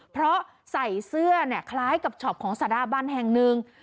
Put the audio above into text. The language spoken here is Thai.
เพราะใส่เสื้อคล้ายกับช็อปของสถาบันแห่งหนึ่ง